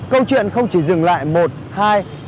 câu chuyện không chỉ dừng lại một hai